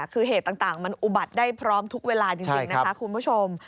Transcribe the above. คือเหตุต่างมันอุบัติได้พร้อมทุกเวลาจริงนะคะคุณผู้ชม